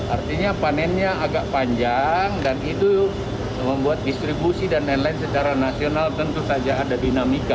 artinya panennya agak panjang dan itu membuat distribusi dan lain lain secara nasional tentu saja ada dinamika